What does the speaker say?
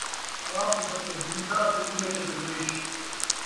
آپ وتے من٘گدا تے ٻوہے تے درویش